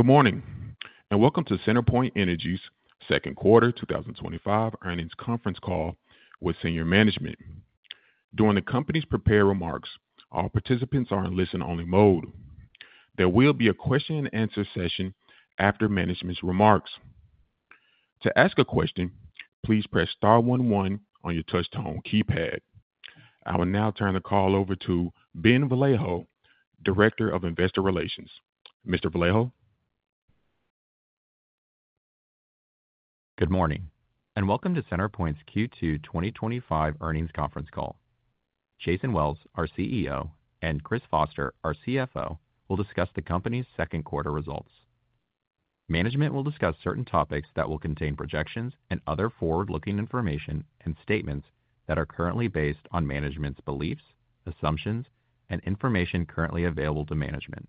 Good morning and welcome to CenterPoint Energy's second quarter 2025 earnings conference call with senior management. During the company's prepared remarks, all participants are in listen-only mode. There will be a question-and-answer session after management's remarks. To ask a question, please press star one one on your touch-tone keypad. I will now turn the call over to Ben Vallejo, Director of Investor Relations. Mr. Vallejo. Good morning and welcome to CenterPoint's Q2 2025 earnings conference call. Jason Wells, our CEO, and Chris Foster, our CFO, will discuss the company's second quarter results. Management will discuss certain topics that will contain projections and other forward-looking information and statements that are currently based on management's beliefs, assumptions, and information currently available to management.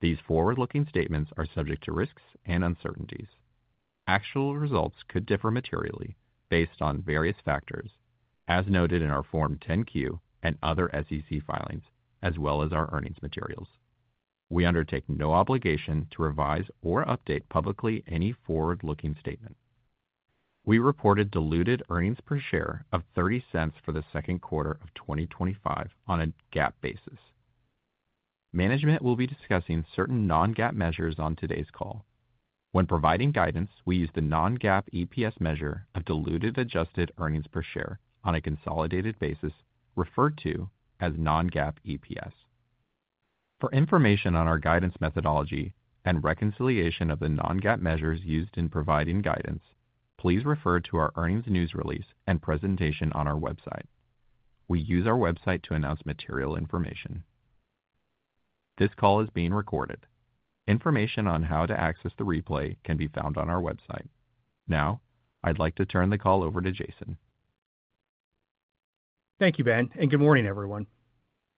These forward-looking statements are subject to risks and uncertainties. Actual results could differ materially based on various factors, as noted in our Form 10Q and other SEC filings, as well as our earnings materials. We undertake no obligation to revise or update publicly any forward-looking statement. We reported diluted earnings per share of $0.30 for the second quarter of 2025 on a GAAP basis. Management will be discussing certain Non-GAAP measures on today's call. When providing guidance, we use the Non-GAAP EPS measure of diluted adjusted earnings per share on a consolidated basis, referred to as Non-GAAP EPS. For information on our guidance methodology and reconciliation of the Non-GAAP measures used in providing guidance, please refer to our earnings news release and presentation on our website. We use our website to announce material information. This call is being recorded. Information on how to access the replay can be found on our website. Now, I'd like to turn the call over to Jason. Thank you, Ben, and good morning, everyone.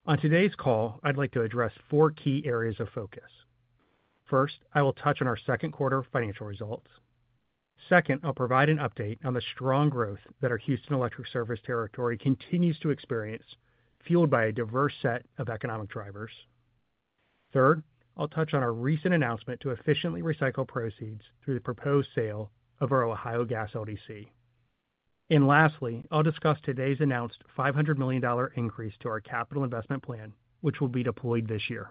On today's call, I'd like to address four key areas of focus. First, I will touch on our second quarter financial results. Second, I'll provide an update on the strong growth that our Houston Electric service territory continues to experience, fueled by a diverse set of economic drivers. Third, I'll touch on our recent announcement to efficiently recycle proceeds through the proposed sale of our Ohio Gas LDC. Lastly, I'll discuss today's announced $500 million increase to our capital investment plan, which will be deployed this year.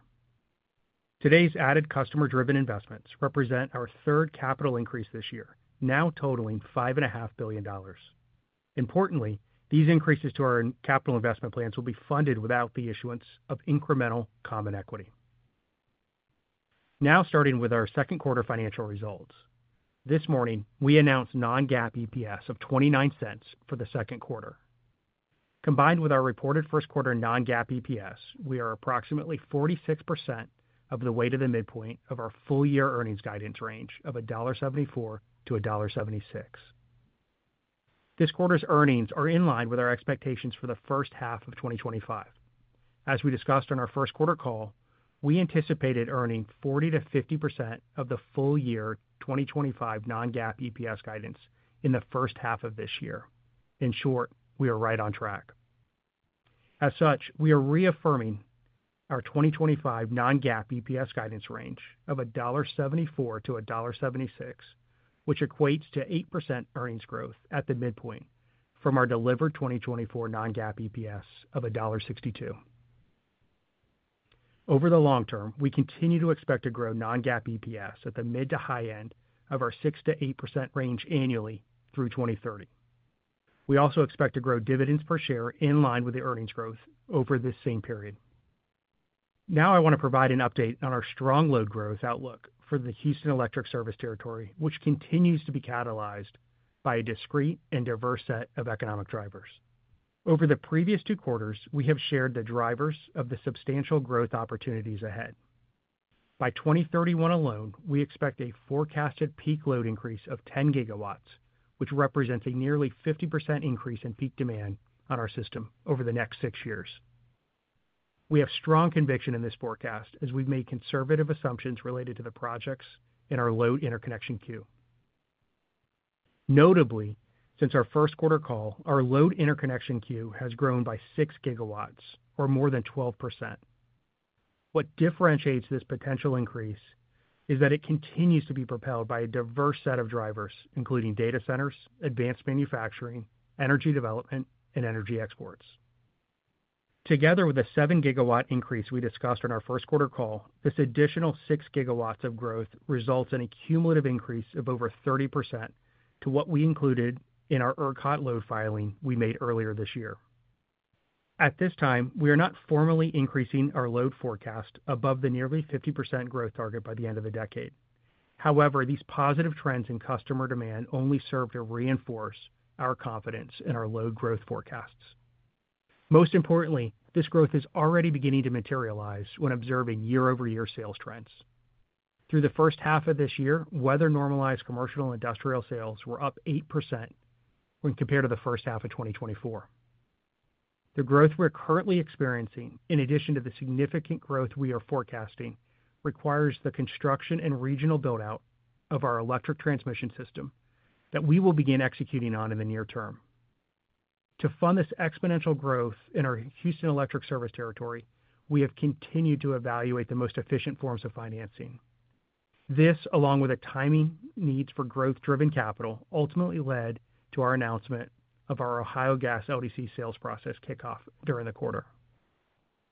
Today's added customer-driven investments represent our third capital increase this year, now totaling $5.5 billion. Importantly, these increases to our capital investment plans will be funded without the issuance of incremental common equity. Now, starting with our second quarter financial results, this morning, we announced Non-GAAP EPS of $0.29 for the second quarter. Combined with our reported first quarter Non-GAAP EPS, we are approximately 46% of the way to the midpoint of our full year earnings guidance range of $1.74-$1.76. This quarter's earnings are in line with our expectations for the first half of 2025. As we discussed on our first quarter call, we anticipated earning 40%-50% of the full year 2025 Non-GAAP EPS guidance in the first half of this year. In short, we are right on track. As such, we are reaffirming our 2025 Non-GAAP EPS guidance range of $1.74-$1.76, which equates to 8% earnings growth at the midpoint from our delivered 2024 Non-GAAP EPS of $1.62. Over the long term, we continue to expect to grow Non-GAAP EPS at the mid to high end of our 6%-8% range annually through 2030. We also expect to grow dividends per share in line with the earnings growth over this same period. Now, I want to provide an update on our strong load growth outlook for the Houston Electric service territory, which continues to be catalyzed by a discrete and diverse set of economic drivers. Over the previous two quarters, we have shared the drivers of the substantial growth opportunities ahead. By 2031 alone, we expect a forecasted peak load increase of 10 gigawatts, which represents a nearly 50% increase in peak demand on our system over the next six years. We have strong conviction in this forecast as we've made conservative assumptions related to the projects in our load interconnection queue. Notably, since our first quarter call, our load interconnection queue has grown by 6 gigawatts, or more than 12%. What differentiates this potential increase is that it continues to be propelled by a diverse set of drivers, including data centers, advanced manufacturing, energy development, and energy exports. Together with the 7 gigawatt increase we discussed on our first quarter call, this additional 6 gigawatts of growth results in a cumulative increase of over 30% to what we included in our ERCOT load filing we made earlier this year. At this time, we are not formally increasing our load forecast above the nearly 50% growth target by the end of the decade. However, these positive trends in customer demand only serve to reinforce our confidence in our load growth forecasts. Most importantly, this growth is already beginning to materialize when observing year-over-year sales trends. Through the first half of this year, weather-normalized commercial and industrial sales were up 8% when compared to the first half of 2024. The growth we're currently experiencing, in addition to the significant growth we are forecasting, requires the construction and regional build-out of our electric transmission system that we will begin executing on in the near term. To fund this exponential growth in our Houston Electric service territory, we have continued to evaluate the most efficient forms of financing. This, along with the timing needs for growth-driven capital, ultimately led to our announcement of our Ohio Gas LDC sales process kickoff during the quarter.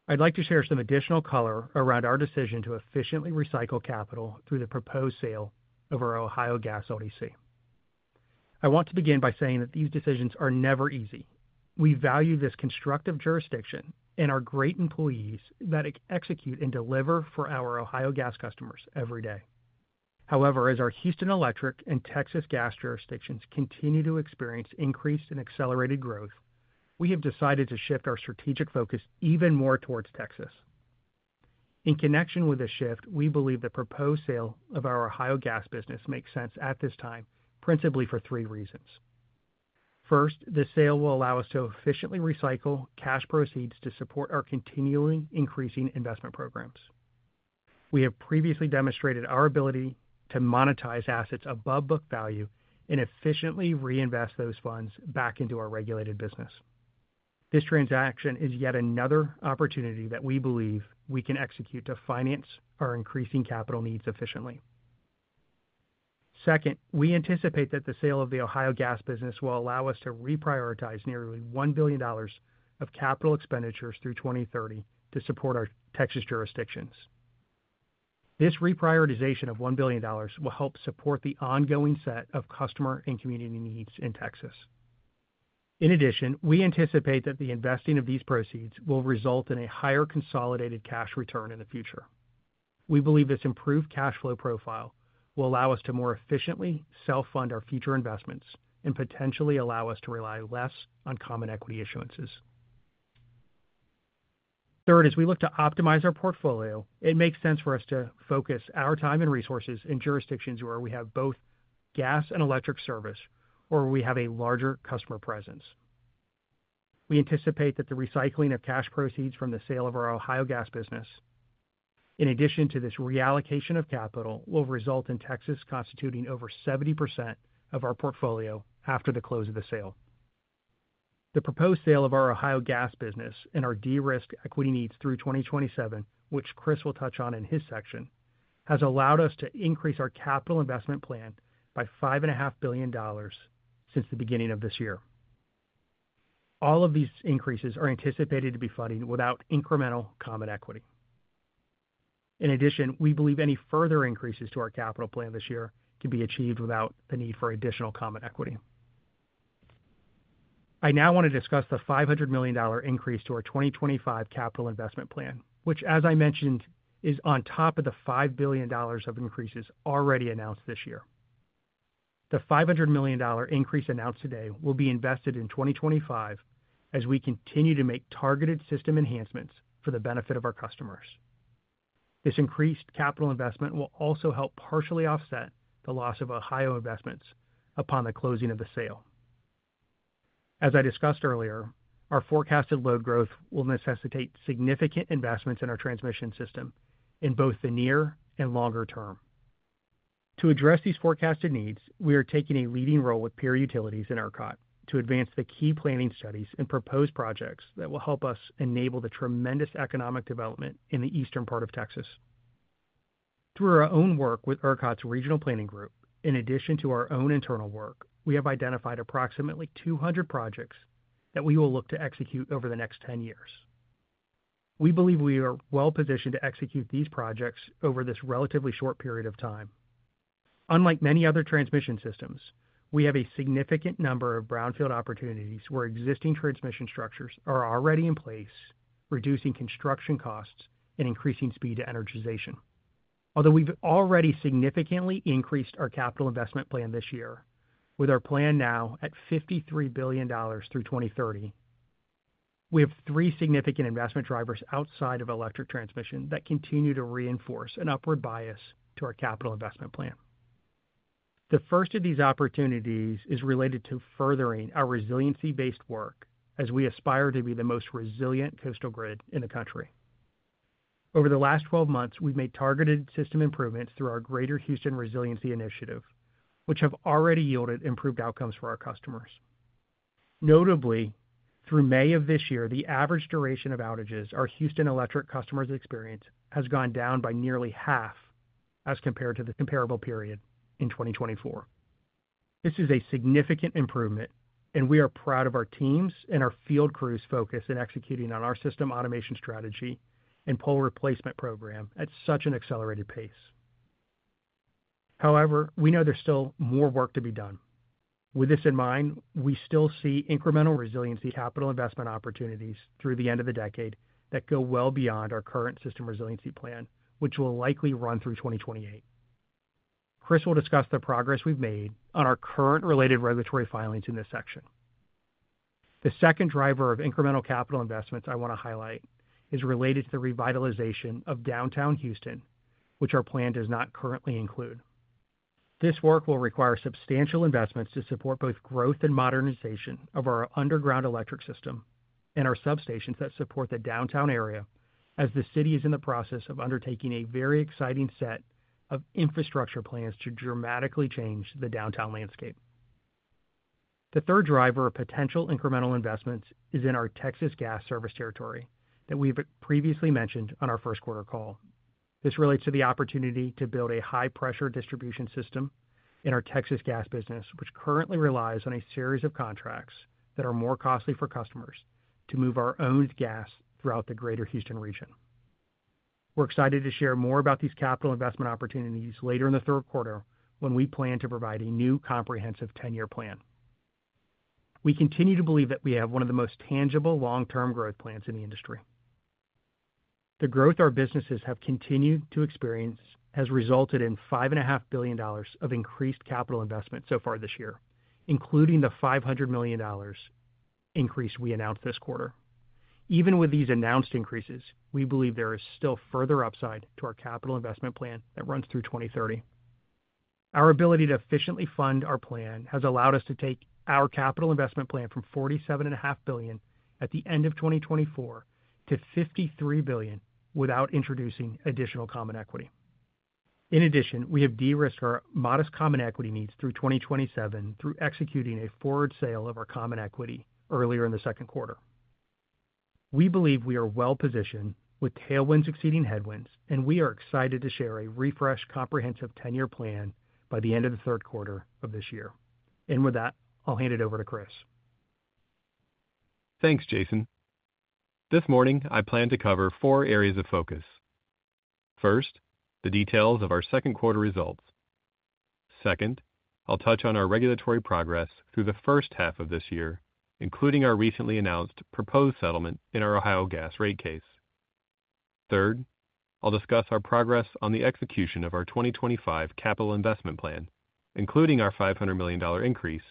I'd like to share some additional color around our decision to efficiently recycle capital through the proposed sale of our Ohio Gas LDC. I want to begin by saying that these decisions are never easy. We value this constructive jurisdiction and our great employees that execute and deliver for our Ohio Gas customers every day. However, as our Houston Electric and Texas Gas jurisdictions continue to experience increased and accelerated growth, we have decided to shift our strategic focus even more towards Texas. In connection with this shift, we believe the proposed sale of our Ohio Gas business makes sense at this time, principally for three reasons. First, the sale will allow us to efficiently recycle cash proceeds to support our continually increasing investment programs. We have previously demonstrated our ability to monetize assets above book value and efficiently reinvest those funds back into our regulated business. This transaction is yet another opportunity that we believe we can execute to finance our increasing capital needs efficiently. Second, we anticipate that the sale of the Ohio Gas business will allow us to reprioritize nearly $1 billion of capital expenditures through 2030 to support our Texas jurisdictions. This reprioritization of $1 billion will help support the ongoing set of customer and community needs in Texas. In addition, we anticipate that the investing of these proceeds will result in a higher consolidated cash return in the future. We believe this improved cash flow profile will allow us to more efficiently self-fund our future investments and potentially allow us to rely less on common equity issuances. Third, as we look to optimize our portfolio, it makes sense for us to focus our time and resources in jurisdictions where we have both gas and electric service, or where we have a larger customer presence. We anticipate that the recycling of cash proceeds from the sale of our Ohio Gas business, in addition to this reallocation of capital, will result in Texas constituting over 70% of our portfolio after the close of the sale. The proposed sale of our Ohio Gas business and our de-risked equity needs through 2027, which Chris will touch on in his section, has allowed us to increase our capital investment plan by $5.5 billion since the beginning of this year. All of these increases are anticipated to be funded without incremental common equity. In addition, we believe any further increases to our capital plan this year can be achieved without the need for additional common equity. I now want to discuss the $500 million increase to our 2025 capital investment plan, which, as I mentioned, is on top of the $5 billion of increases already announced this year. The $500 million increase announced today will be invested in 2025 as we continue to make targeted system enhancements for the benefit of our customers. This increased capital investment will also help partially offset the loss of Ohio investments upon the closing of the sale. As I discussed earlier, our forecasted load growth will necessitate significant investments in our transmission system in both the near and longer term. To address these forecasted needs, we are taking a leading role with Peer Utilities and ERCOT to advance the key planning studies and proposed projects that will help us enable the tremendous economic development in the eastern part of Texas. Through our own work with ERCOT's regional planning group, in addition to our own internal work, we have identified approximately 200 projects that we will look to execute over the next 10 years. We believe we are well positioned to execute these projects over this relatively short period of time. Unlike many other transmission systems, we have a significant number of brownfield opportunities where existing transmission structures are already in place, reducing construction costs and increasing speed to energization. Although we've already significantly increased our capital investment plan this year, with our plan now at $53 billion through 2030, we have three significant investment drivers outside of electric transmission that continue to reinforce an upward bias to our capital investment plan. The first of these opportunities is related to furthering our resiliency-based work as we aspire to be the most resilient coastal grid in the country. Over the last 12 months, we've made targeted system improvements through our Greater Houston Resiliency Initiative, which have already yielded improved outcomes for our customers. Notably, through May of this year, the average duration of outages our Houston Electric customers experience has gone down by nearly half as compared to the comparable period in 2024. This is a significant improvement, and we are proud of our teams and our field crews' focus in executing on our system automation strategy and pole replacement program at such an accelerated pace. However, we know there's still more work to be done. With this in mind, we still see incremental resiliency capital investment opportunities through the end of the decade that go well beyond our current system resiliency plan, which will likely run through 2028. Chris will discuss the progress we've made on our current related regulatory filings in this section. The second driver of incremental capital investments I want to highlight is related to the revitalization of Downtown Houston, which our plan does not currently include. This work will require substantial investments to support both growth and modernization of our underground electric system and our substations that support the downtown area as the city is in the process of undertaking a very exciting set of infrastructure plans to dramatically change the downtown landscape. The third driver of potential incremental investments is in our Texas Gas service territory that we've previously mentioned on our first quarter call. This relates to the opportunity to build a high-pressure distribution system in our Texas Gas business, which currently relies on a series of contracts that are more costly for customers to move our owned gas throughout the Greater Houston area. We're excited to share more about these capital investment opportunities later in the third quarter when we plan to provide a new comprehensive 10-year plan. We continue to believe that we have one of the most tangible long-term growth plans in the industry. The growth our businesses have continued to experience has resulted in $5.5 billion of increased capital investment so far this year, including the $500 million increase we announced this quarter. Even with these announced increases, we believe there is still further upside to our capital investment plan that runs through 2030. Our ability to efficiently fund our plan has allowed us to take our capital investment plan from $47.5 billion at the end of 2024 to $53 billion without introducing additional common equity. In addition, we have de-risked our modest common equity needs through 2027 through executing a forward sale of our common equity earlier in the second quarter. We believe we are well positioned with tailwinds exceeding headwinds, and we are excited to share a refreshed comprehensive 10-year plan by the end of the third quarter of this year. With that, I'll hand it over to Chris. Thanks, Jason. This morning, I plan to cover four areas of focus. First, the details of our second quarter results. Second, I'll touch on our regulatory progress through the first half of this year, including our recently announced proposed settlement in our Ohio Gas rate case. Third, I'll discuss our progress on the execution of our 2025 capital investment plan, including our $500 million increase,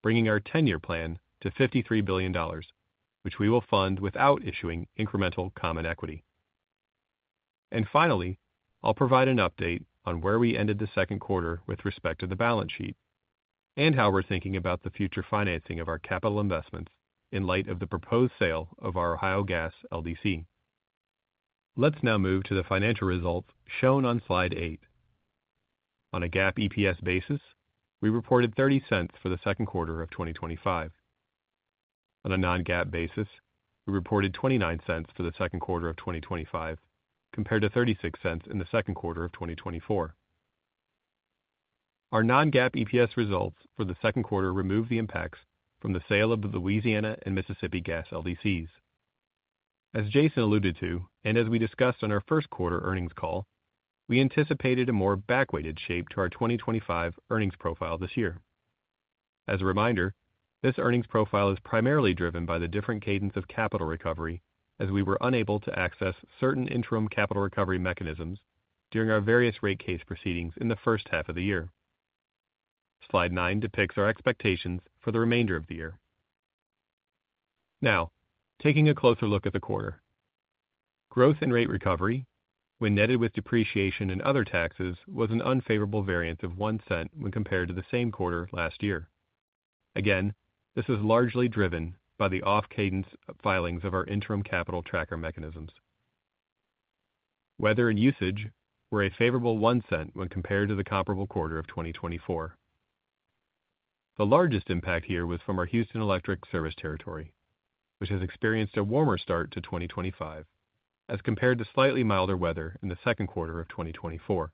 bringing our 10-year plan to $53 billion, which we will fund without issuing incremental common equity. Finally, I'll provide an update on where we ended the second quarter with respect to the balance sheet and how we're thinking about the future financing of our capital investments in light of the proposed sale of our Ohio Gas LDC. Let's now move to the financial results shown on slide 8. On a GAAP EPS basis, we reported $0.30 for the second quarter of 2025. On a Non-GAAP basis, we reported $0.29 for the second quarter of 2025 compared to $0.36 in the second quarter of 2024. Our Non-GAAP EPS results for the second quarter removed the impacts from the sale of the Louisiana and Mississippi Gas LDCs. As Jason alluded to, and as we discussed on our first quarter earnings call, we anticipated a more back-weighted shape to our 2025 earnings profile this year. As a reminder, this earnings profile is primarily driven by the different cadence of capital recovery as we were unable to access certain interim capital recovery mechanisms during our various rate case proceedings in the first half of the year. Slide 9 depicts our expectations for the remainder of the year. Now, taking a closer look at the quarter. Growth and rate recovery, when netted with depreciation and other taxes, was an unfavorable variance of $0.01 when compared to the same quarter last year. Again, this was largely driven by the off-cadence filings of our interim capital tracker mechanisms. Weather and usage were a favorable $0.01 when compared to the comparable quarter of 2024. The largest impact here was from our Houston Electric service territory, which has experienced a warmer start to 2025 as compared to slightly milder weather in the second quarter of 2024.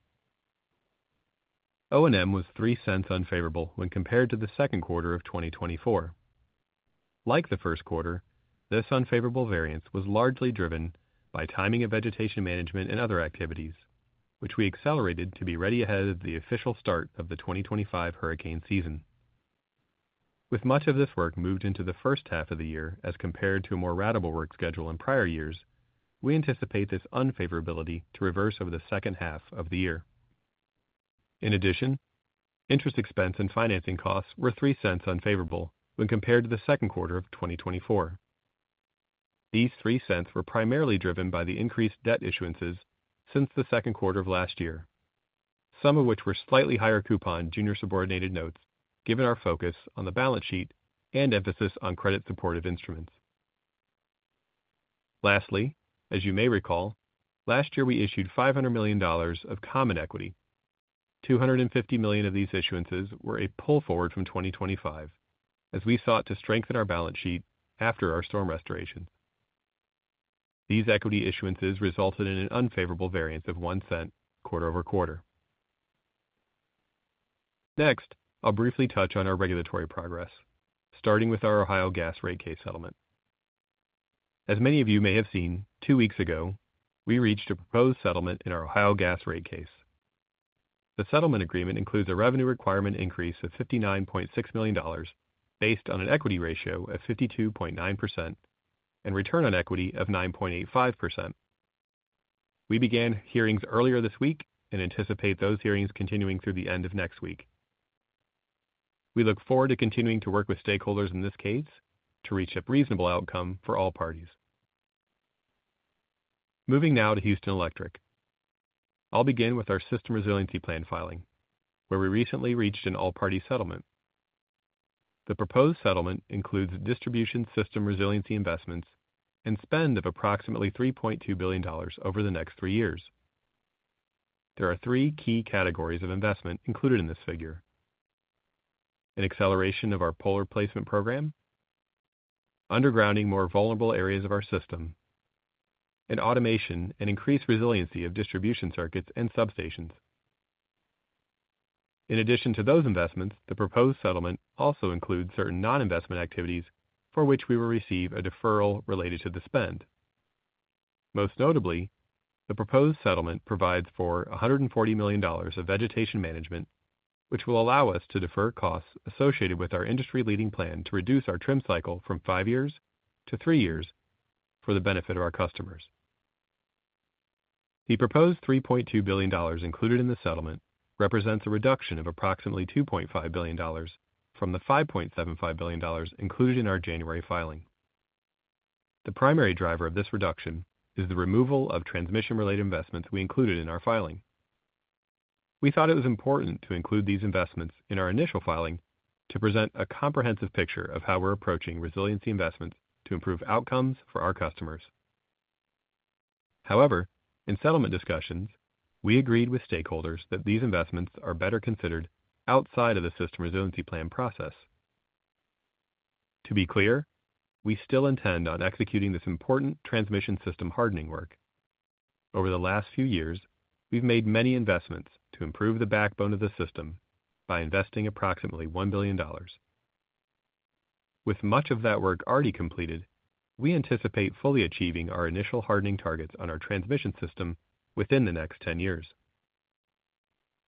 O&M was $0.03 unfavorable when compared to the second quarter of 2024. Like the first quarter, this unfavorable variance was largely driven by timing of vegetation management and other activities, which we accelerated to be ready ahead of the official start of the 2025 hurricane season. With much of this work moved into the first half of the year as compared to a more ratable work schedule in prior years, we anticipate this unfavorability to reverse over the second half of the year. In addition, interest expense and financing costs were $0.03 unfavorable when compared to the second quarter of 2024. These $0.03 were primarily driven by the increased debt issuances since the second quarter of last year, some of which were slightly higher coupon junior subordinated notes given our focus on the balance sheet and emphasis on credit supportive instruments. Lastly, as you may recall, last year we issued $500 million of common equity. $250 million of these issuances were a pull forward from 2025 as we sought to strengthen our balance sheet after our storm restoration. These equity issuances resulted in an unfavorable variance of $0.01 quarter over quarter. Next, I'll briefly touch on our regulatory progress, starting with our Ohio Gas rate case settlement. As many of you may have seen, two weeks ago, we reached a proposed settlement in our Ohio Gas rate case. The settlement agreement includes a revenue requirement increase of $59.6 million. Based on an equity ratio of 52.9% and return on equity of 9.85%. We began hearings earlier this week and anticipate those hearings continuing through the end of next week. We look forward to continuing to work with stakeholders in this case to reach a reasonable outcome for all parties. Moving now to Houston Electric. I'll begin with our system resiliency plan filing, where we recently reached an all-party settlement. The proposed settlement includes distribution system resiliency investments and spend of approximately $3.2 billion over the next three years. There are three key categories of investment included in this figure. An acceleration of our pole replacement program. Undergrounding more vulnerable areas of our system. And automation and increased resiliency of distribution circuits and substations. In addition to those investments, the proposed settlement also includes certain non-investment activities for which we will receive a deferral related to the spend. Most notably, the proposed settlement provides for $140 million of vegetation management, which will allow us to defer costs associated with our industry-leading plan to reduce our trim cycle from five years to three years for the benefit of our customers. The proposed $3.2 billion included in the settlement represents a reduction of approximately $2.5 billion from the $5.75 billion included in our January filing. The primary driver of this reduction is the removal of transmission-related investments we included in our filing. We thought it was important to include these investments in our initial filing to present a comprehensive picture of how we're approaching resiliency investments to improve outcomes for our customers. However, in settlement discussions, we agreed with stakeholders that these investments are better considered outside of the system resiliency plan process. To be clear, we still intend on executing this important transmission system hardening work. Over the last few years, we've made many investments to improve the backbone of the system by investing approximately $1 billion. With much of that work already completed, we anticipate fully achieving our initial hardening targets on our transmission system within the next 10 years.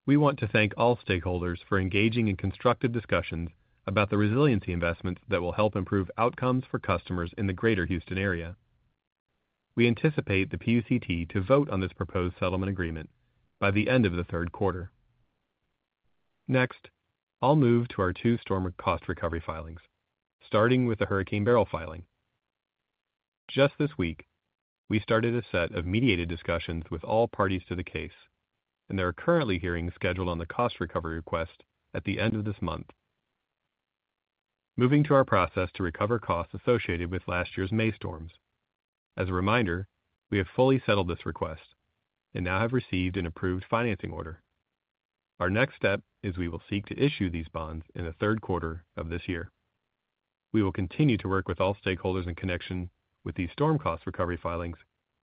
We want to thank all stakeholders for engaging in constructive discussions about the resiliency investments that will help improve outcomes for customers in the Greater Houston area. We anticipate the PUCT to vote on this proposed settlement agreement by the end of the third quarter. Next, I'll move to our two storm cost recovery filings, starting with the Hurricane Beryl filing. Just this week, we started a set of mediated discussions with all parties to the case, and there are currently hearings scheduled on the cost recovery request at the end of this month. Moving to our process to recover costs associated with last year's May storms. As a reminder, we have fully settled this request and now have received an approved financing order. Our next step is we will seek to issue these bonds in the third quarter of this year. We will continue to work with all stakeholders in connection with these storm cost recovery filings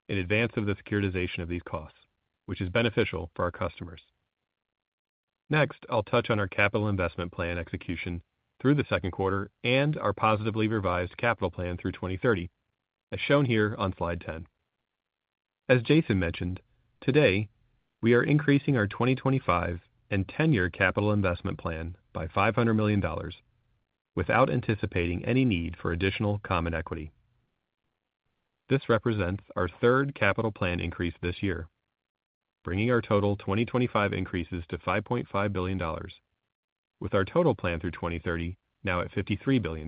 in advance of the securitization of these costs, which is beneficial for our customers. Next, I'll touch on our capital investment plan execution through the second quarter and our positively revised capital plan through 2030, as shown here on slide 10. As Jason mentioned, today, we are increasing our 2025 and 10-year capital investment plan by $500 million, without anticipating any need for additional common equity. This represents our third capital plan increase this year, bringing our total 2025 increases to $5.5 billion, with our total plan through 2030 now at $53 billion.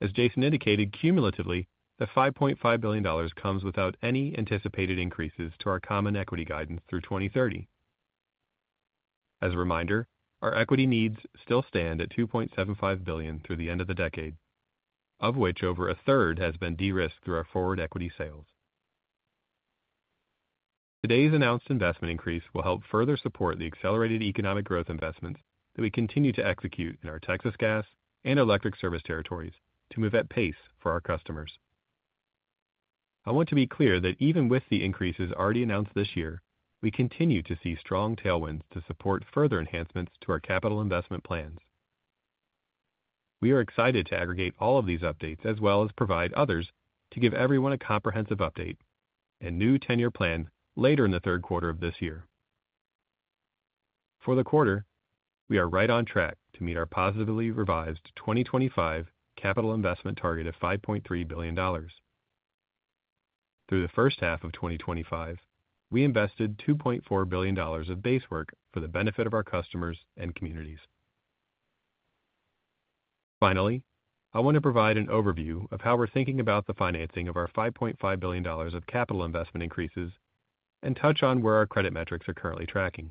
As Jason indicated, cumulatively, the $5.5 billion comes without any anticipated increases to our common equity guidance through 2030. As a reminder, our equity needs still stand at $2.75 billion through the end of the decade, of which over a third has been de-risked through our forward equity sales. Today's announced investment increase will help further support the accelerated economic growth investments that we continue to execute in our Texas Gas and Electric service territories to move at pace for our customers. I want to be clear that even with the increases already announced this year, we continue to see strong tailwinds to support further enhancements to our capital investment plans. We are excited to aggregate all of these updates as well as provide others to give everyone a comprehensive update and new 10-year plan later in the third quarter of this year. For the quarter, we are right on track to meet our positively revised 2025 capital investment target of $5.3 billion. Through the first half of 2025, we invested $2.4 billion of base work for the benefit of our customers and communities. Finally, I want to provide an overview of how we're thinking about the financing of our $5.5 billion of capital investment increases and touch on where our credit metrics are currently tracking.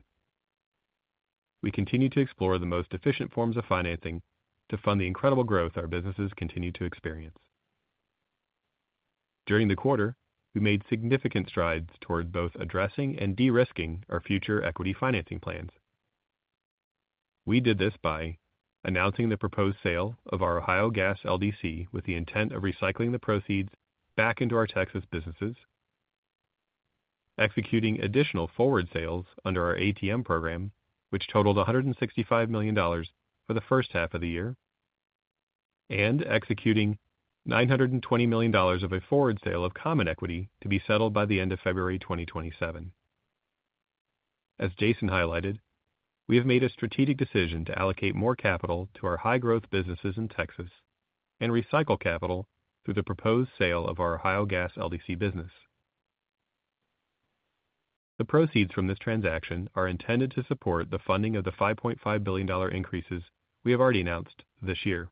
We continue to explore the most efficient forms of financing to fund the incredible growth our businesses continue to experience. During the quarter, we made significant strides toward both addressing and de-risking our future equity financing plans. We did this by announcing the proposed sale of our Ohio Gas LDC with the intent of recycling the proceeds back into our Texas businesses, executing additional forward sales under our ATM program, which totaled $165 million for the first half of the year, and executing $920 million of a forward sale of common equity to be settled by the end of February 2027. As Jason highlighted, we have made a strategic decision to allocate more capital to our high-growth businesses in Texas and recycle capital through the proposed sale of our Ohio Gas LDC business. The proceeds from this transaction are intended to support the funding of the $5.5 billion increases we have already announced this year.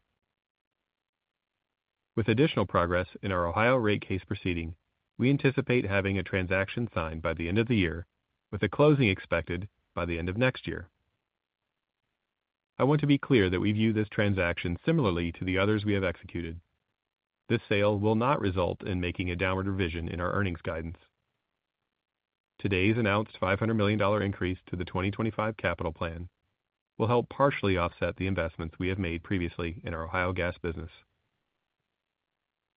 With additional progress in our Ohio rate case proceeding, we anticipate having a transaction signed by the end of the year, with a closing expected by the end of next year. I want to be clear that we view this transaction similarly to the others we have executed. This sale will not result in making a downward revision in our earnings guidance. Today's announced $500 million increase to the 2025 capital plan will help partially offset the investments we have made previously in our Ohio Gas business.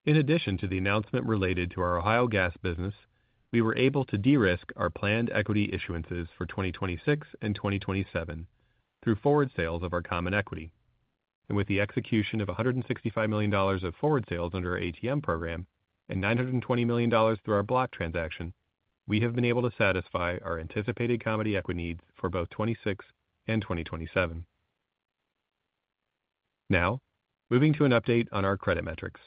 In addition to the announcement related to our Ohio Gas business, we were able to de-risk our planned equity issuances for 2026 and 2027 through forward sales of our common equity. With the execution of $165 million of forward sales under our ATM program and $920 million through our block transaction, we have been able to satisfy our anticipated common equity needs for both 2026 and 2027. Now, moving to an update on our credit metrics.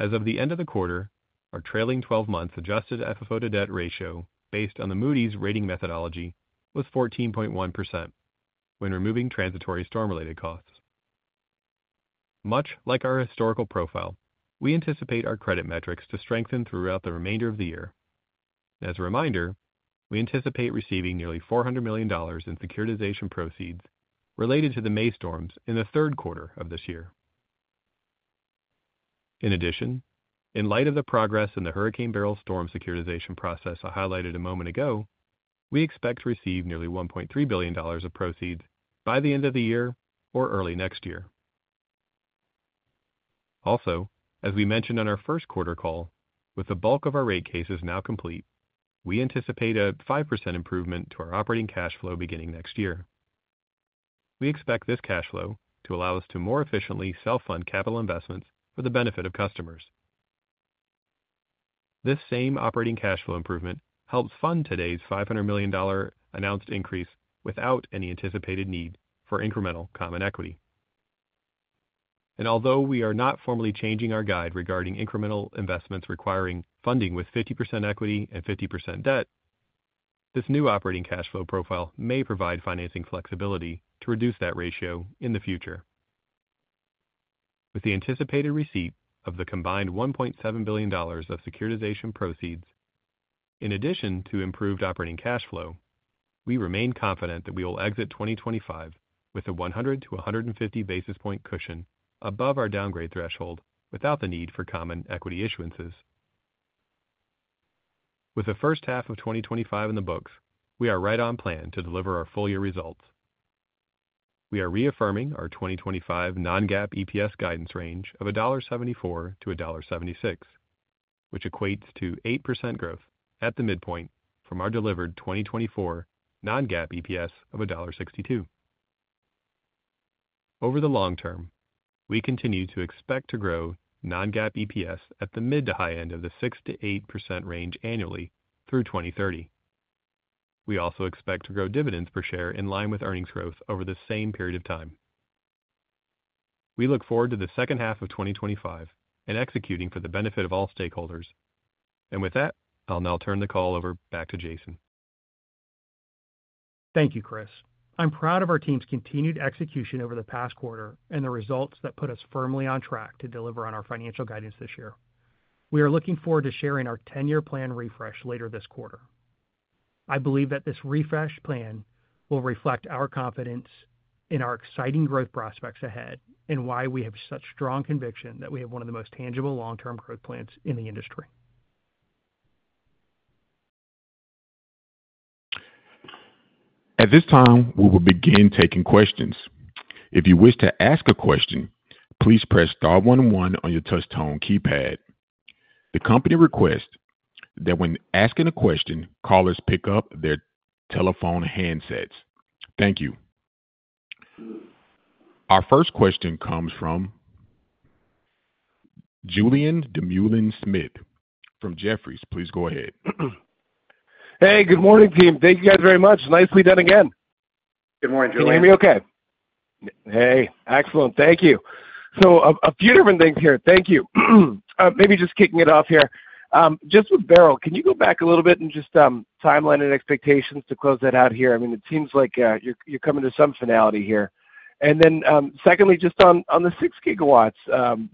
As of the end of the quarter, our trailing 12 months adjusted FFO to debt ratio based on the Moody's rating methodology was 14.1% when removing transitory storm-related costs. Much like our historical profile, we anticipate our credit metrics to strengthen throughout the remainder of the year. As a reminder, we anticipate receiving nearly $400 million in securitization proceeds related to the May storms in the third quarter of this year. In addition, in light of the progress in the Hurricane Beryl storm securitization process I highlighted a moment ago, we expect to receive nearly $1.3 billion of proceeds by the end of the year or early next year. Also, as we mentioned on our first quarter call, with the bulk of our rate cases now complete, we anticipate a 5% improvement to our operating cash flow beginning next year. We expect this cash flow to allow us to more efficiently self-fund capital investments for the benefit of customers. This same operating cash flow improvement helps fund today's $500 million announced increase without any anticipated need for incremental common equity. Although we are not formally changing our guide regarding incremental investments requiring funding with 50% equity and 50% debt, this new operating cash flow profile may provide financing flexibility to reduce that ratio in the future. With the anticipated receipt of the combined $1.7 billion of securitization proceeds, in addition to improved operating cash flow, we remain confident that we will exit 2025 with a 100 to 150 basis point cushion above our downgrade threshold without the need for common equity issuances. With the first half of 2025 in the books, we are right on plan to deliver our full year results. We are reaffirming our 2025 Non-GAAP EPS guidance range of $1.74-$1.76, which equates to 8% growth at the midpoint from our delivered 2024 Non-GAAP EPS of $1.62. Over the long term, we continue to expect to grow Non-GAAP EPS at the mid to high end of the 6%-8% range annually through 2030. We also expect to grow dividends per share in line with earnings growth over the same period of time. We look forward to the second half of 2025 and executing for the benefit of all stakeholders. With that, I'll now turn the call back to Jason. Thank you, Chris. I'm proud of our team's continued execution over the past quarter and the results that put us firmly on track to deliver on our financial guidance this year. We are looking forward to sharing our 10-year plan refresh later this quarter. I believe that this refresh plan will reflect our confidence in our exciting growth prospects ahead and why we have such strong conviction that we have one of the most tangible long-term growth plans in the industry. At this time, we will begin taking questions. If you wish to ask a question, please press star one one on your touch-tone keypad. The company requests that when asking a question, callers pick up their telephone handsets. Thank you. Our first question comes from Julian Demulin-Smith from Jefferies. Please go ahead. Hey, good morning, team. Thank you guys very much. Nicely done again. Good morning, Julien. Can you hear me okay? Hey, excellent. Thank you. A few different things here. Thank you. Maybe just kicking it off here. Just with Beryl, can you go back a little bit and just timeline and expectations to close that out here? I mean, it seems like you're coming to some finality here. Secondly, just on the 6 gigawatts,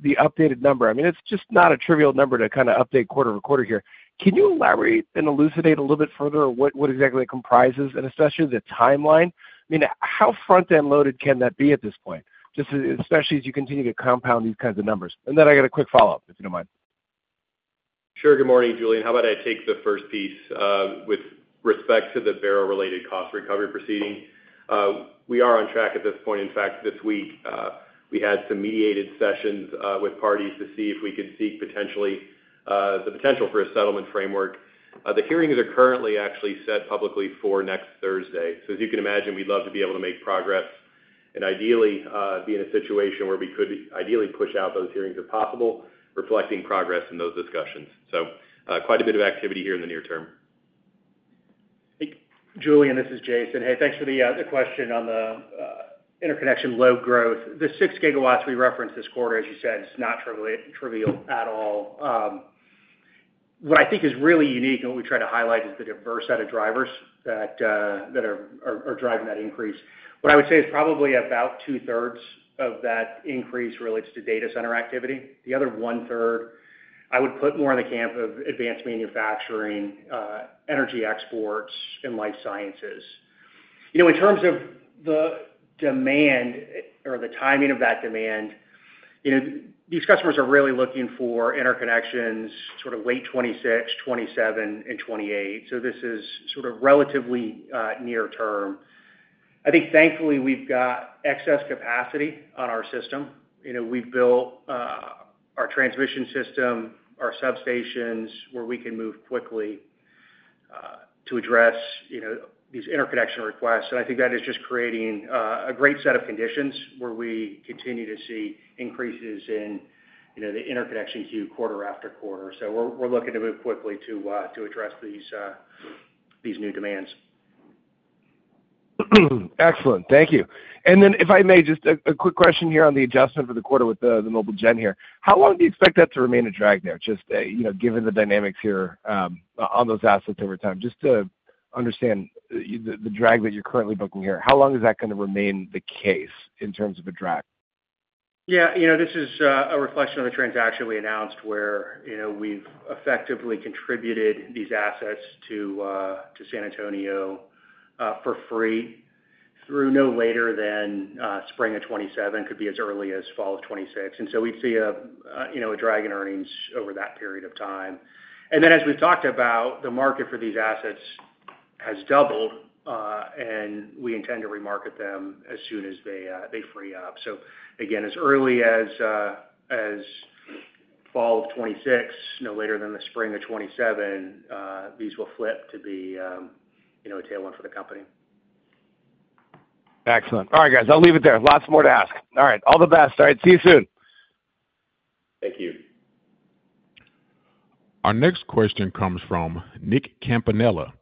the updated number, I mean, it's just not a trivial number to kind of update quarter to quarter here. Can you elaborate and elucidate a little bit further what exactly it comprises and especially the timeline? I mean, how front-end loaded can that be at this point, especially as you continue to compound these kinds of numbers? I have a quick follow-up, if you don't mind. Sure. Good morning, Julien. How about I take the first piece with respect to the Beryl-related cost recovery proceeding? We are on track at this point. In fact, this week, we had some mediated sessions with parties to see if we could seek potentially the potential for a settlement framework. The hearings are currently actually set publicly for next Thursday. As you can imagine, we'd love to be able to make progress and ideally be in a situation where we could ideally push out those hearings if possible, reflecting progress in those discussions. Quite a bit of activity here in the near term. Hey, Julien, this is Jason. Thanks for the question on the interconnection load growth. The 6 gigawatts we referenced this quarter, as you said, it's not trivial at all. What I think is really unique and what we try to highlight is the diverse set of drivers that are driving that increase. What I would say is probably about 2/3 of that increase relates to data center activity. The other 1/3, I would put more in the camp of advanced manufacturing, energy exports, and life sciences. In terms of the demand or the timing of that demand. These customers are really looking for interconnections sort of late 2026, 2027, and 2028. This is sort of relatively near term. I think, thankfully, we've got excess capacity on our system. We've built our transmission system, our substations where we can move quickly to address these interconnection requests. I think that is just creating a great set of conditions where we continue to see increases in the interconnection queue quarter after quarter. We're looking to move quickly to address these new demands. Excellent. Thank you. And then, if I may, just a quick question here on the adjustment for the quarter with the mobile gen here. How long do you expect that to remain a drag there, just given the dynamics here on those assets over time? Just to understand the drag that you're currently booking here, how long is that going to remain the case in terms of a drag? Yeah. This is a reflection of a transaction we announced where we've effectively contributed these assets to San Antonio for free through no later than spring of 2027, could be as early as fall of 2026. We'd see a drag in earnings over that period of time. As we've talked about, the market for these assets has doubled. We intend to remarket them as soon as they free up. Again, as early as fall of 2026, no later than the spring of 2027, these will flip to be a tailwind for the company. Excellent. All right, guys, I'll leave it there. Lots more to ask. All right. All the best. All right. See you soon. Thank you. Our next question comes from Nick Campanella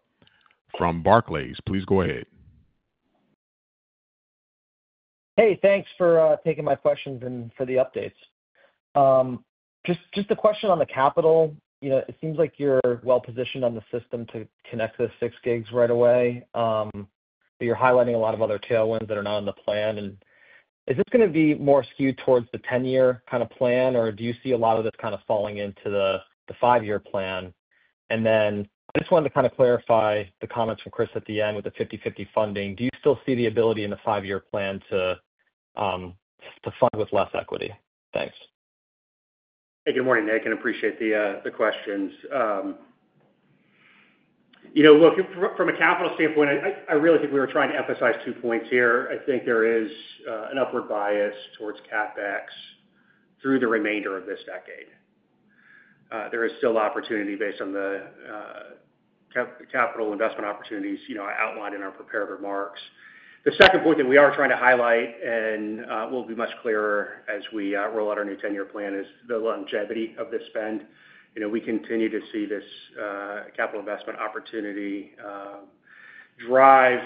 from Barclays. Please go ahead. Hey, thanks for taking my questions and for the updates. Just a question on the capital. It seems like you're well-positioned on the system to connect the 6 gigs right away. But you're highlighting a lot of other tailwinds that are not in the plan. Is this going to be more skewed towards the 10-year kind of plan, or do you see a lot of this kind of falling into the 5-year plan? I just wanted to kind of clarify the comments from Chris at the end with the 50/50 funding. Do you still see the ability in the 5-year plan to fund with less equity? Thanks. Hey, good morning, Nick. I appreciate the questions. Look, from a capital standpoint, I really think we were trying to emphasize two points here. I think there is an upward bias towards CapEx through the remainder of this decade. There is still opportunity based on the capital investment opportunities outlined in our prepared remarks. The second point that we are trying to highlight and will be much clearer as we roll out our new 10-year plan is the longevity of this spend. We continue to see this capital investment opportunity drive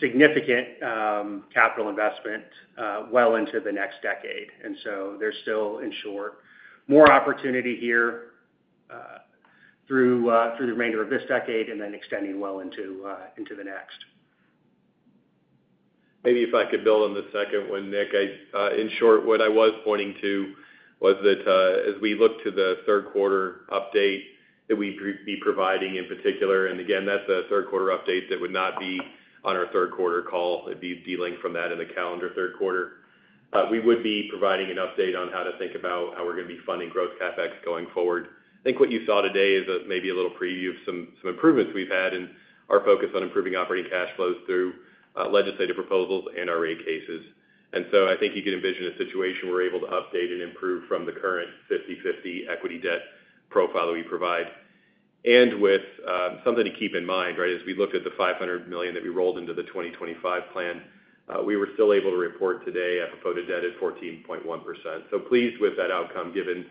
significant capital investment well into the next decade. There is still, in short, more opportunity here through the remainder of this decade and then extending well into the next. Maybe if I could build on the second one, Nick, in short, what I was pointing to was that as we look to the third quarter update that we would be providing in particular, and again, that is a third quarter update that would not be on our third quarter call. It would be de-linked from that in the calendar third quarter. We would be providing an update on how to think about how we are going to be funding growth CapEx going forward. I think what you saw today is maybe a little preview of some improvements we have had in our focus on improving operating cash flows through legislative proposals and our rate cases. I think you can envision a situation where we are able to update and improve from the current 50/50 equity/debt profile that we provide. Something to keep in mind, as we looked at the $500 million that we rolled into the 2025 plan, we were still able to report today at a foot of debt at 14.1%. Pleased with that outcome given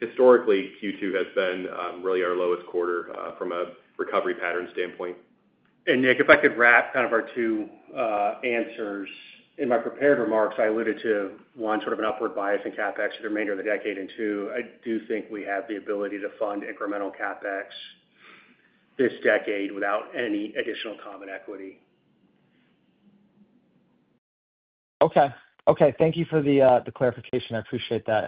historically Q2 has been really our lowest quarter from a recovery pattern standpoint. Nick, if I could wrap our two answers, in my prepared remarks, I alluded to one, sort of an upward bias in CapEx for the remainder of the decade. Two, I do think we have the ability to fund incremental CapEx this decade without any additional common equity. Okay. Thank you for the clarification. I appreciate that.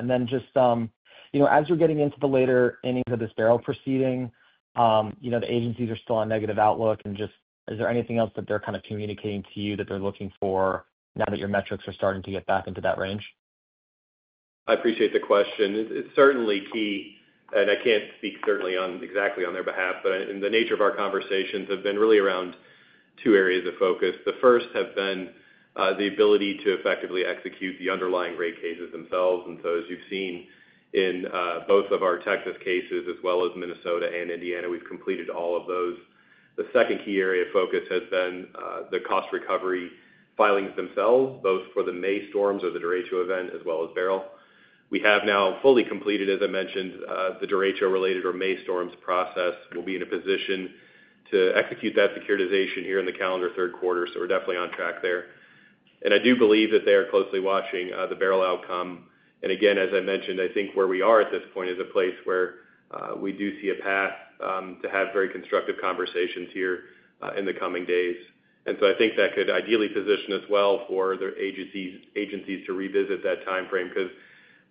Just as you are getting into the later innings of this Beryl proceeding, the agencies are still on negative outlook. Is there anything else that they are kind of communicating to you that they are looking for now that your metrics are starting to get back into that range? I appreciate the question. It is certainly key. I cannot speak exactly on their behalf, but the nature of our conversations has been really around two areas of focus. The first has been the ability to effectively execute the underlying rate cases themselves. As you have seen in both of our Texas cases as well as Minnesota and Indiana, we have completed all of those. The second key area of focus has been the cost recovery filings themselves, both for the May storms or the Derecho event as well as Beryl. We have now fully completed, as I mentioned, the Derecho-related or May storms process. We will be in a position to execute that securitization here in the calendar third quarter. We are definitely on track there. I do believe that they are closely watching the Beryl outcome. As I mentioned, I think where we are at this point is a place where we do see a path to have very constructive conversations here in the coming days. I think that could ideally position us well for the agencies to revisit that timeframe because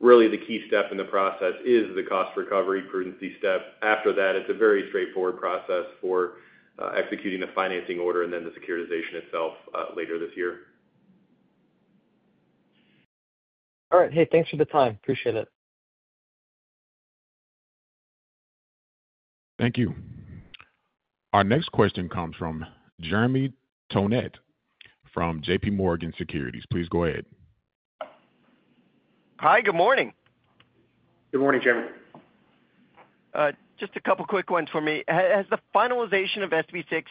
really the key step in the process is the cost recovery prudency step. After that, it's a very straightforward process for executing the financing order and then the securitization itself later this year. All right. Hey, thanks for the time. Appreciate it. Thank you. Our next question comes from Jeremy Tonet from JPMorgan Securities. Please go ahead. Hi. Good morning. Good morning, Jeremy. Just a couple of quick ones for me. Has the finalization of SB 6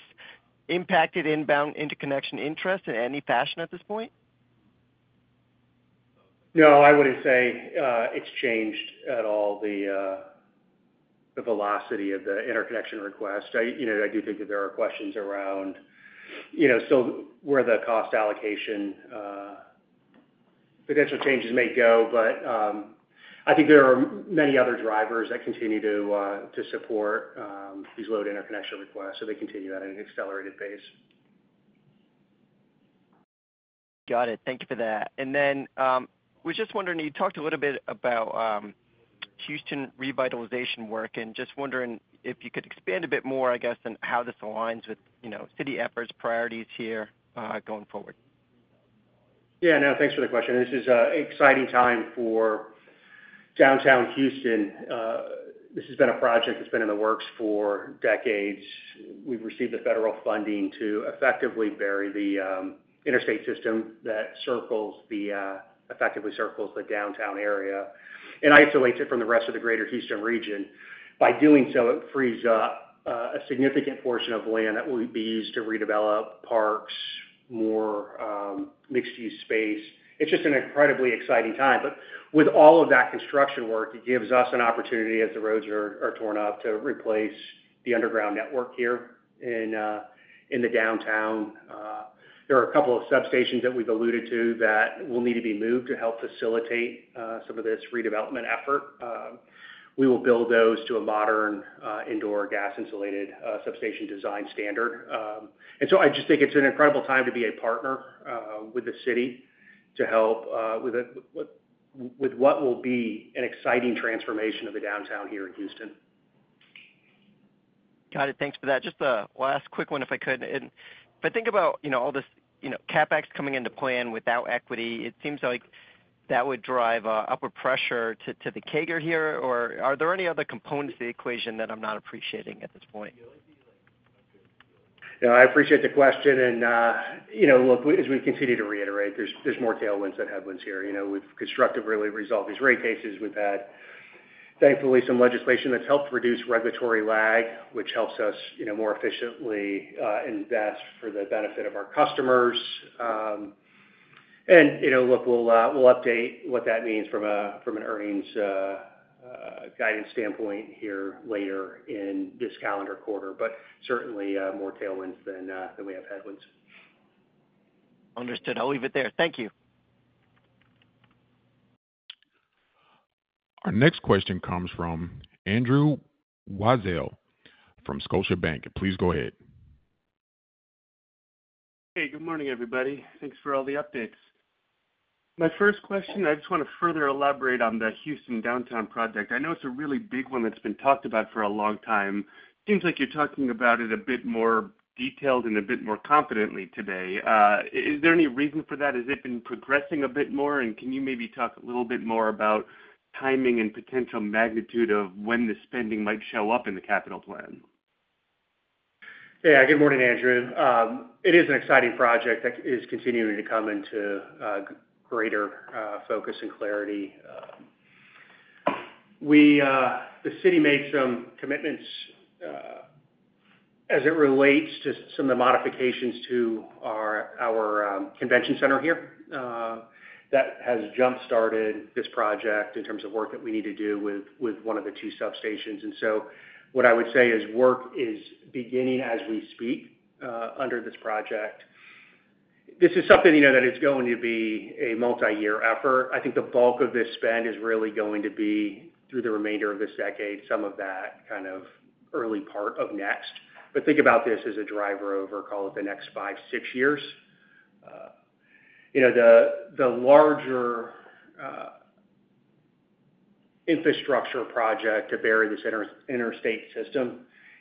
impacted inbound interconnection interest in any fashion at this point? No, I wouldn't say it's changed at all the velocity of the interconnection request. I do think that there are questions around still where the cost allocation potential changes may go, but I think there are many other drivers that continue to support these load interconnection requests. They continue at an accelerated pace. Got it. Thank you for that. We're just wondering, you talked a little bit about Houston revitalization work, and just wondering if you could expand a bit more, I guess, on how this aligns with city efforts, priorities here going forward. Yeah. No, thanks for the question. This is an exciting time for Downtown Houston. This has been a project that's been in the works for decades. We've received the federal funding to effectively bury the interstate system that effectively circles the downtown area and isolates it from the rest of the Greater Houston area. By doing so, it frees up a significant portion of land that will be used to redevelop parks, more mixed-use space. It's just an incredibly exciting time. With all of that construction work, it gives us an opportunity, as the roads are torn up, to replace the underground network here in the downtown. There are a couple of substations that we've alluded to that will need to be moved to help facilitate some of this redevelopment effort. We will build those to a modern indoor gas-insulated substation design standard. I just think it's an incredible time to be a partner with the city to help with what will be an exciting transformation of the downtown here in Houston. Got it. Thanks for that. Just a last quick one, if I could. If I think about all this CapEx coming into play and without equity, it seems like that would drive upward pressure to the CAGR here. Are there any other components of the equation that I'm not appreciating at this point? No, I appreciate the question. Look, as we continue to reiterate, there's more tailwinds than headwinds here. We've constructively resolved these rate cases. We've had, thankfully, some legislation that's helped reduce regulatory lag, which helps us more efficiently invest for the benefit of our customers. We'll update what that means from an earnings. Guidance standpoint here later in this calendar quarter, but certainly more tailwinds than we have headwinds. Understood. I'll leave it there. Thank you. Our next question comes from Andrew Wasil from Scotiabank. Please go ahead. Hey, good morning, everybody. Thanks for all the updates. My first question, I just want to further elaborate on the Houston downtown project. I know it's a really big one that's been talked about for a long time. It seems like you're talking about it a bit more detailed and a bit more confidently today. Is there any reason for that? Has it been progressing a bit more? And can you maybe talk a little bit more about timing and potential magnitude of when the spending might show up in the capital plan? Yeah. Good morning, Andrew. It is an exciting project that is continuing to come into greater focus and clarity. The city made some commitments as it relates to some of the modifications to our convention center here. That has jump-started this project in terms of work that we need to do with one of the two substations. And so what I would say is work is beginning as we speak under this project. This is something that is going to be a multi-year effort. I think the bulk of this spend is really going to be through the remainder of this decade, some of that kind of early part of next. But think about this as a driver over, call it the next five, six years. The larger infrastructure project to bury this interstate system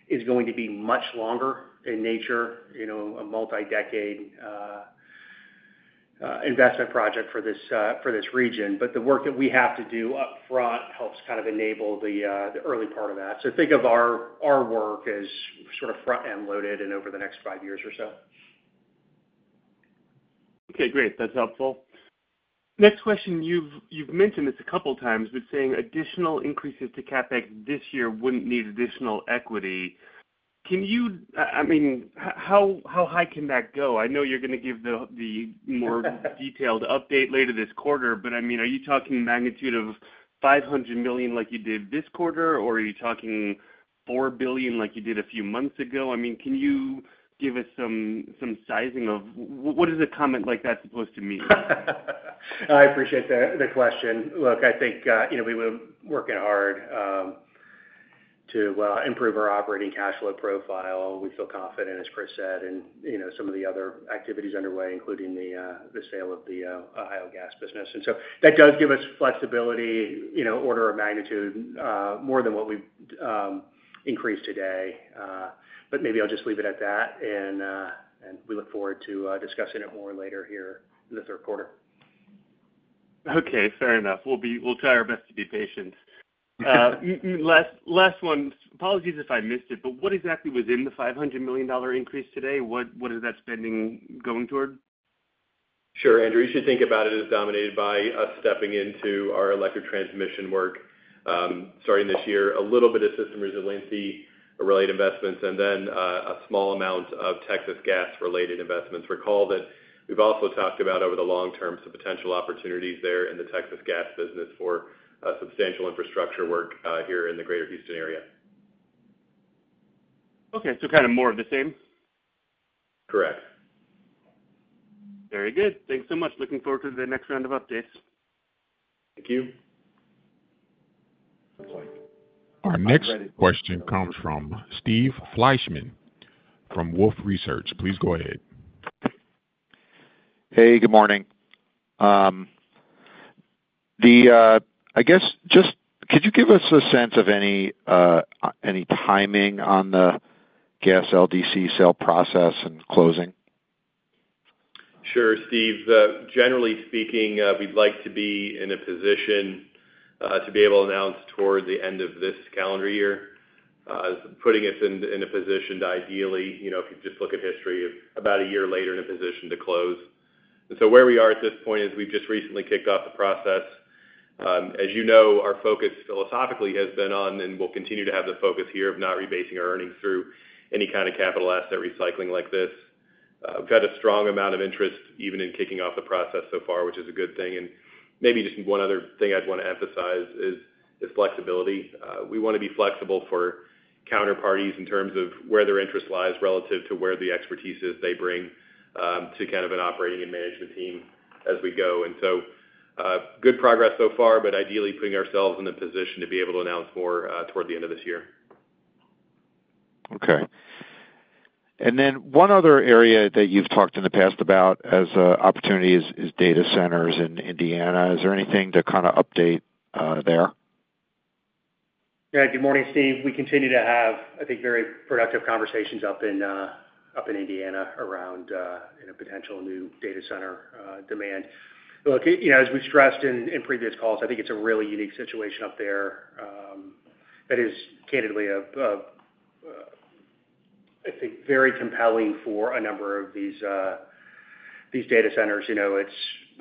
is going to be much longer in nature, a multi-decade investment project for this region. But the work that we have to do upfront helps kind of enable the early part of that. So think of our work as sort of front-end loaded and over the next five years or so. Okay. Great. That's helpful. Next question, you've mentioned this a couple of times, but saying additional increases to CapEx this year wouldn't need additional equity. I mean, how high can that go? I know you're going to give the more detailed update later this quarter, but I mean, are you talking magnitude of $500 million like you did this quarter, or are you talking $4 billion like you did a few months ago? I mean, can you give us some sizing of what is a comment like that supposed to mean? I appreciate the question. Look, I think we've been working hard to improve our operating cash flow profile. We feel confident, as Chris said, in some of the other activities underway, including the sale of the Ohio Gas business. And so that does give us flexibility, order of magnitude, more than what we increased today. But maybe I'll just leave it at that. And we look forward to discussing it more later here in the third quarter. Okay. Fair enough. We'll try our best to be patient. Last one. Apologies if I missed it, but what exactly was in the $500 million increase today? What is that spending going toward? Sure, Andrew. You should think about it as dominated by us stepping into our electric transmission work. Starting this year, a little bit of system resiliency-related investments, and then a small amount of Texas gas-related investments. Recall that we have also talked about over the long term some potential opportunities there in the Texas gas business for substantial infrastructure work here in the Greater Houston area. Okay. So kind of more of the same? Correct. Very good. Thanks so much. Looking forward to the next round of updates. Thank you. Our next question comes from Steve Fleischman from Wolfe Research. Please go ahead. Hey, good morning. I guess just could you give us a sense of any timing on the gas LDC sale process and closing? Sure, Steve. Generally speaking, we would like to be in a position to be able to announce toward the end of this calendar year, putting us in a position to ideally, if you just look at history, about a year later in a position to close. Where we are at this point is we have just recently kicked off the process. As you know, our focus philosophically has been on, and we will continue to have the focus here of not rebasing our earnings through any kind of capital asset recycling like this. We have had a strong amount of interest even in kicking off the process so far, which is a good thing. Maybe just one other thing I would want to emphasize is flexibility. We want to be flexible for counterparties in terms of where their interest lies relative to where the expertise is they bring to kind of an operating and management team as we go. Good progress so far, but ideally putting ourselves in a position to be able to announce more toward the end of this year. Okay. One other area that you have talked in the past about as an opportunity is data centers in Indiana. Is there anything to kind of update there? Yeah. Good morning, Steve. We continue to have, I think, very productive conversations up in Indiana around a potential new data center demand. Look, as we have stressed in previous calls, I think it is a really unique situation up there. That is, candidly, I think, very compelling for a number of these data centers. It is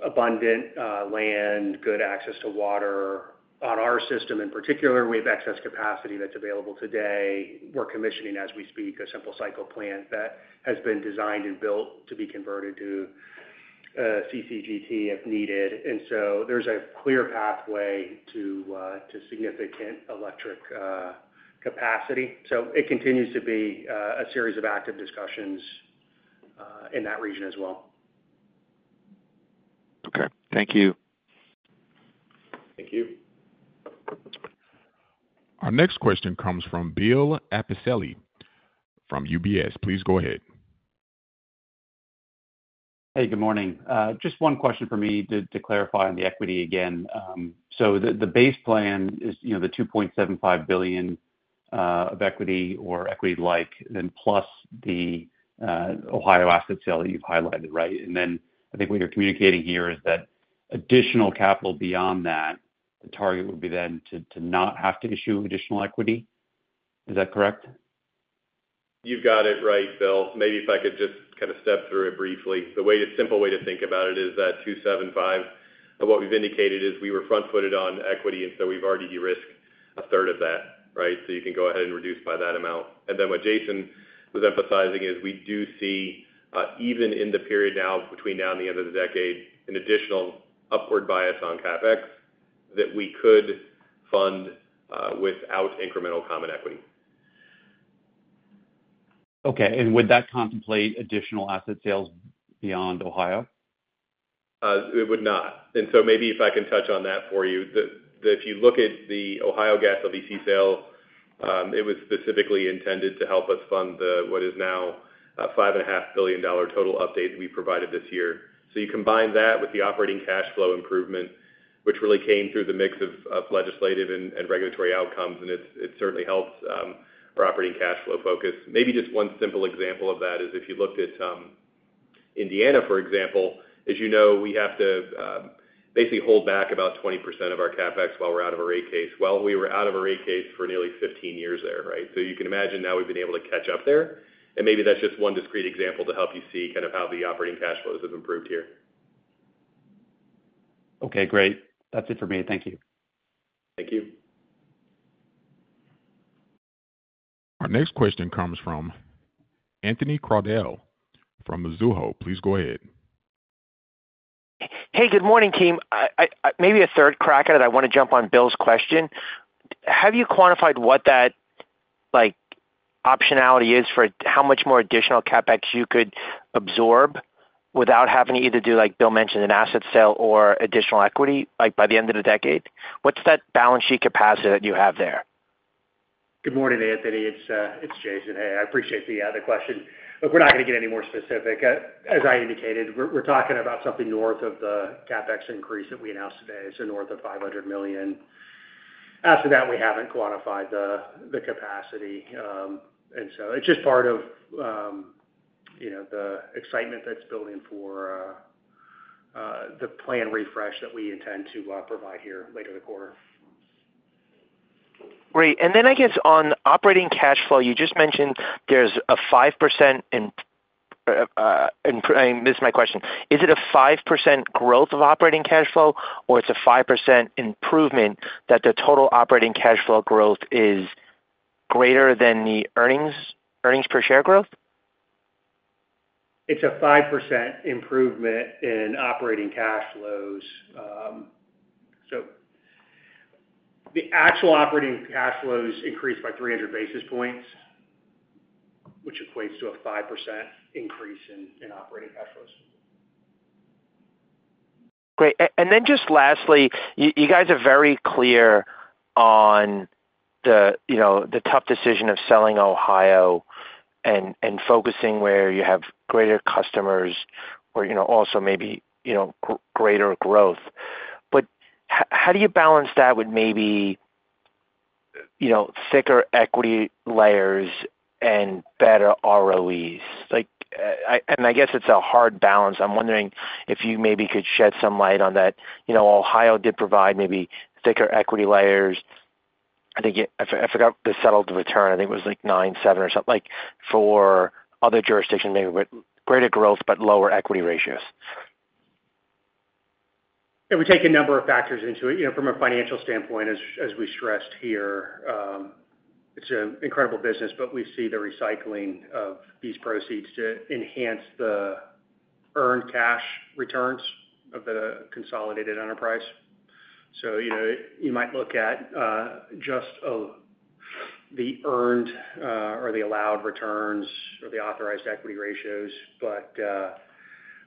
abundant land, good access to water. On our system in particular, we have excess capacity that is available today. We are commissioning, as we speak, a simple-cycle plant that has been designed and built to be converted to CCGT if needed. There is a clear pathway to significant electric capacity. It continues to be a series of active discussions in that region as well. Okay. Thank you. Thank you. Our next question comes from Bill Appicelli from UBS. Please go ahead. Hey, good morning. Just one question for me to clarify on the equity again. So the base plan is the $2.75 billion of equity or equity-like and plus the Ohio asset sale that you've highlighted, right? I think what you're communicating here is that additional capital beyond that, the target would be then to not have to issue additional equity. Is that correct? You've got it right, Bill. Maybe if I could just kind of step through it briefly. The simple way to think about it is that $2.75 billion, what we've indicated is we were front-footed on equity, and so we've already de-risked a third of that, right? You can go ahead and reduce by that amount. What Jason was emphasizing is we do see, even in the period now between now and the end of the decade, an additional upward bias on CapEx that we could fund without incremental common equity. Okay. Would that contemplate additional asset sales beyond Ohio? It would not. Maybe if I can touch on that for you, if you look at the Ohio Gas LDC sale, it was specifically intended to help us fund what is now a $5.5 billion total update that we provided this year. You combine that with the operating cash flow improvement, which really came through the mix of legislative and regulatory outcomes, and it certainly helped our operating cash flow focus. Maybe just one simple example of that is if you looked at Indiana, for example, as you know, we have to basically hold back about 20% of our CapEx while we're out of a rate case. We were out of a rate case for nearly 15 years there, right? You can imagine now we've been able to catch up there. Maybe that's just one discrete example to help you see kind of how the operating cash flows have improved here. Okay. Great. That's it for me. Thank you. Thank you. Our next question comes from Anthony Crowdell from Mizuho. Please go ahead. Hey, good morning, team. Maybe a third crack at it. I want to jump on Bill's question. Have you quantified what that optionality is for how much more additional CapEx you could absorb without having to either do, like Bill mentioned, an asset sale or additional equity by the end of the decade? What's that balance sheet capacity that you have there? Good morning, Anthony. It's Jason. Hey, I appreciate the question. Look, we're not going to get any more specific. As I indicated, we're talking about something north of the CapEx increase that we announced today, so north of $500 million. After that, we haven't quantified the capacity. It's just part of the excitement that's building for the plan refresh that we intend to provide here later in the quarter. Great. I guess on operating cash flow, you just mentioned there's a 5%. I missed my question. Is it a 5% growth of operating cash flow, or it's a 5% improvement that the total operating cash flow growth is greater than the earnings per share growth? It's a 5% improvement in operating cash flows. So the actual operating cash flows increased by 300 basis points, which equates to a 5% increase in operating cash flows. Great. And then just lastly, you guys are very clear on the tough decision of selling Ohio and focusing where you have greater customers or also maybe greater growth. How do you balance that with maybe thicker equity layers and better ROEs? I guess it's a hard balance. I'm wondering if you maybe could shed some light on that. Ohio did provide maybe thicker equity layers. I think I forgot the settled return. I think it was like 9, 7 or something for other jurisdictions maybe, but greater growth but lower equity ratios. We take a number of factors into it from a financial standpoint, as we stressed here. It's an incredible business, but we see the recycling of these proceeds to enhance the earned cash returns of the consolidated enterprise. You might look at just the earned or the allowed returns or the authorized equity ratios,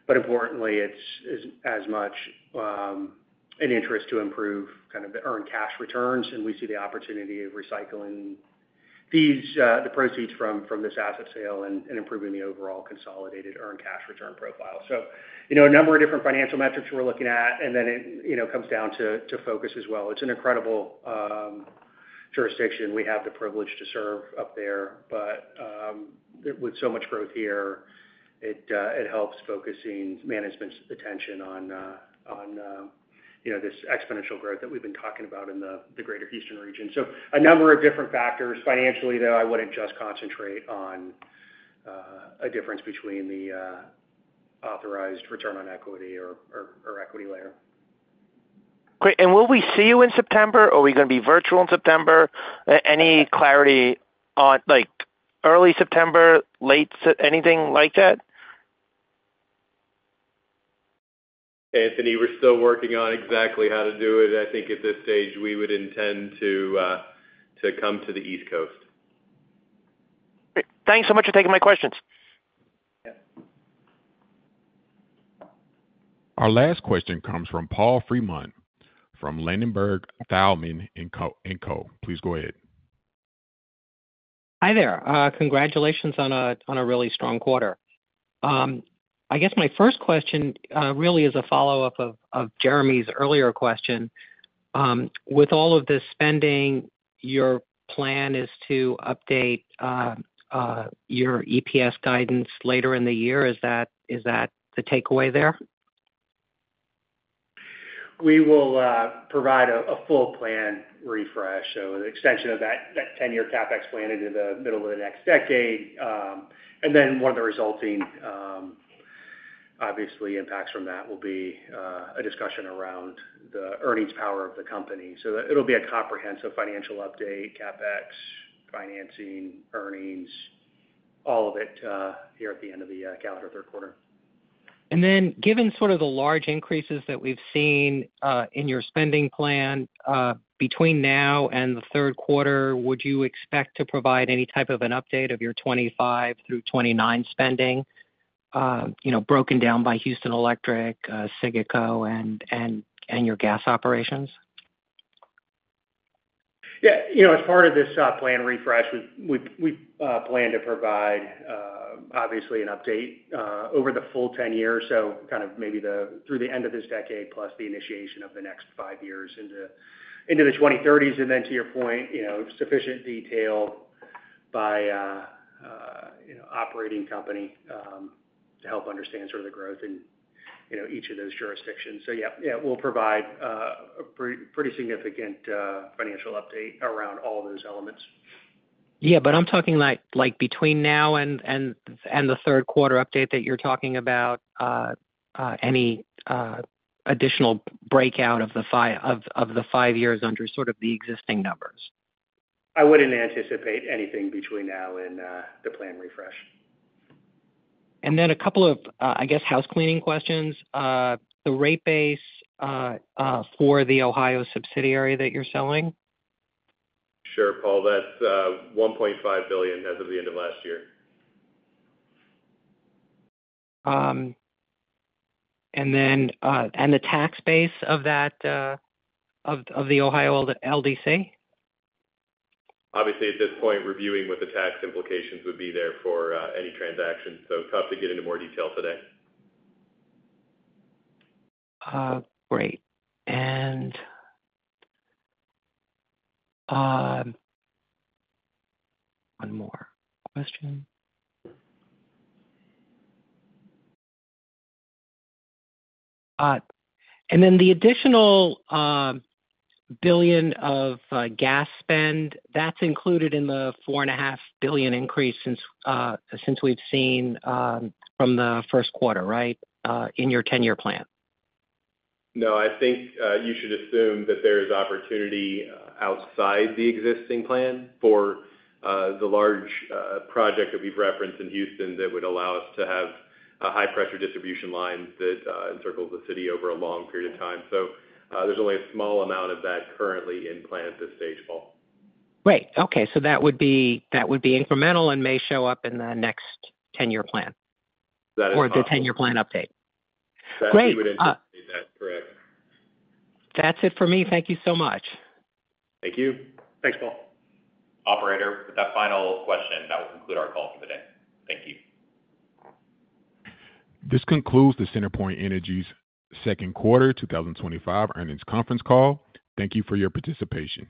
but importantly, it's as much an interest to improve kind of the earned cash returns. We see the opportunity of recycling the proceeds from this asset sale and improving the overall consolidated earned cash return profile. A number of different financial metrics we're looking at, and then it comes down to focus as well. It's an incredible jurisdiction we have the privilege to serve up there, but with so much growth here, it helps focus management's attention on this exponential growth that we've been talking about in the greater Houston region. A number of different factors. Financially, though, I wouldn't just concentrate on a difference between the authorized return on equity or equity layer. Great. Will we see you in September? Are we going to be virtual in September? Any clarity on early September, late, anything like that? Anthony, we're still working on exactly how to do it. I think at this stage, we would intend to come to the East Coast. Great. Thanks so much for taking my questions. Our last question comes from Paul Fremont from Ladenburg Thalmann & Co. Please go ahead. Hi there. Congratulations on a really strong quarter. I guess my first question really is a follow-up of Jeremy's earlier question. With all of this spending, your plan is to update your EPS guidance later in the year. Is that the takeaway there? We will provide a full plan refresh, so an extension of that 10-year CapEx plan into the middle of the next decade. One of the resulting, obviously, impacts from that will be a discussion around the earnings power of the company. It'll be a comprehensive financial update, CapEx, financing, earnings, all of it here at the end of the calendar third quarter. Given sort of the large increases that we've seen in your spending plan, between now and the third quarter, would you expect to provide any type of an update of your 2025 through 2029 spending, broken down by Houston Electric, SIGECO, and your gas operations? Yeah. As part of this plan refresh, we plan to provide, obviously, an update over the full 10 years, so kind of maybe through the end of this decade plus the initiation of the next five years into the 2030s. To your point, sufficient detail by operating company to help understand sort of the growth in each of those jurisdictions. Yeah, we'll provide a pretty significant financial update around all those elements. I'm talking like between now and the third quarter update that you're talking about. Any additional breakout of the five years under sort of the existing numbers? I wouldn't anticipate anything between now and the plan refresh. A couple of, I guess, housecleaning questions. The rate base for the Ohio subsidiary that you're selling? Sure, Paul. That's $1.5 billion as of the end of last year. The tax base of the Ohio LDC? Obviously, at this point, reviewing what the tax implications would be there for any transaction, so tough to get into more detail today. Great. One more question. The additional billion of gas spend, that's included in the $4.5 billion increase since we've seen from the first quarter, right, in your 10-year plan? No, I think you should assume that there is opportunity outside the existing plan for the large project that we've referenced in Houston that would allow us to have a high-pressure distribution line that encircles the city over a long period of time. There's only a small amount of that currently in plan at this stage, Paul. Great. Okay. That would be incremental and may show up in the next 10-year plan or the 10-year plan update. That's what you would anticipate, correct? That's it for me. Thank you so much. Thank you. Thanks, Paul. Operator, with that final question, that will conclude our call for today. Thank you. This concludes CenterPoint Energy's second quarter 2025 earnings conference call. Thank you for your participation.